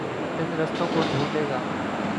ان رستوں کو ڈھونڈے گا۔